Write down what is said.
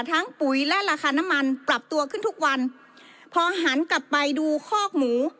ปุ๋ยและราคาน้ำมันปรับตัวขึ้นทุกวันพอหันกลับไปดูคอกหมู